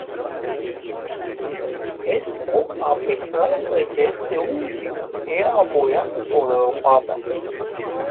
Esto a pesar de que este último era apoyado por el papa.